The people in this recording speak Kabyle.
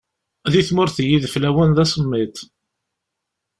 Di tmurt n yideflawen d asemmiḍ.